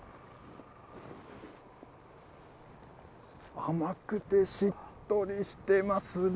甘くてしっとりしてますね。